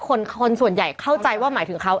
คนส่วนใหญ่เข้าใจว่าหมายถึงเขา